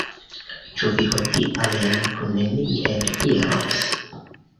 Ĉu vi hodiaŭ jam plu nenien iros?